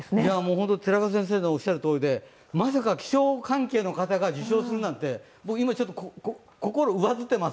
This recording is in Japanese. ホント、寺門先生のおっしゃるとおりでまさか気象関係の方が受賞するなんて今、心上ずってます。